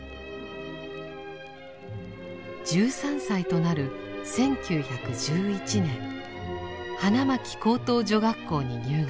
１３歳となる１９１１年花巻高等女学校に入学。